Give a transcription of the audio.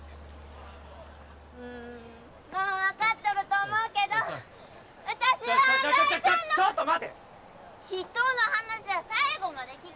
うんもう分かっとると思うけど私はちょちょちょちょっと待て人の話は最後まで聞く！